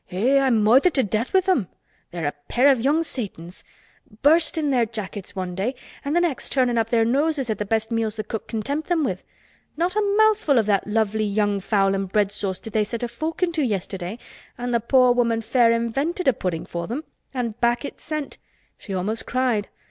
"Eh! I'm moithered to death with them. They're a pair of young Satans. Bursting their jackets one day and the next turning up their noses at the best meals Cook can tempt them with. Not a mouthful of that lovely young fowl and bread sauce did they set a fork into yesterday—and the poor woman fair invented a pudding for them—and back it's sent. She almost cried.